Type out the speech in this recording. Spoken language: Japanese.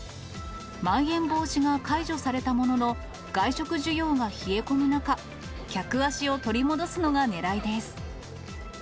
まん延防止が解除されたものの、外食需要が冷え込む中、客足を取り戻すのがねらいです。